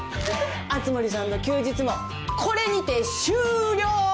熱護さんの休日もこれにて終了！